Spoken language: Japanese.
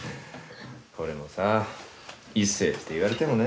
これもさ異性って言われてもね。